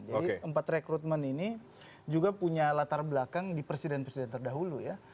jadi empat rekrutmen ini juga punya latar belakang di presiden presiden terdahulu ya